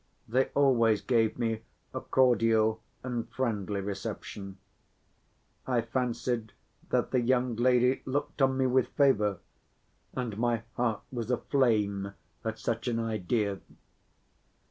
They always gave me a cordial and friendly reception. I fancied that the young lady looked on me with favor and my heart was aflame at such an idea.